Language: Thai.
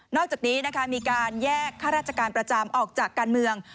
อกจากนี้นะคะมีการแยกข้าราชการประจำออกจากการเมือง